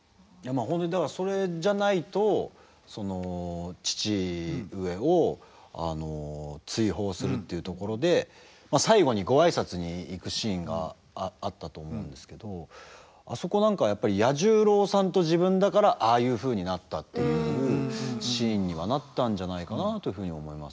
本当にだからそれじゃないとその父上を追放するっていうところで最後にご挨拶に行くシーンがあったと思うんですけどあそこなんかはやっぱり彌十郎さんと自分だからああいうふうになったっていうシーンにはなったんじゃないかなというふうに思います。